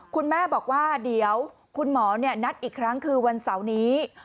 คุณแม่บอกว่าเดี๋ยวคุณหมอนัดอีกครั้งคือวันเสาร์นี้